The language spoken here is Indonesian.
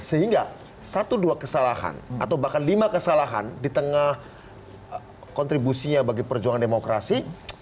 sehingga satu dua kesalahan atau bahkan lima kesalahan di tengah kontribusinya bagi perjuangan demokrasi